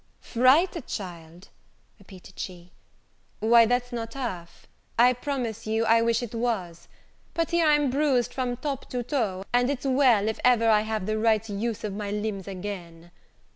"Fright, child!" repeated she, "why that's not half: I promise you, I wish it was: but here I'm bruised from top to toe and it's well if ever I have the right use of my limbs again.